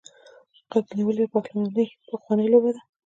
غیږ نیول یا پهلواني پخوانۍ لوبه ده.